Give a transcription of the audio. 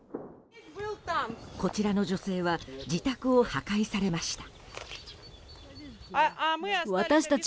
こちらの女性は自宅を破壊されました。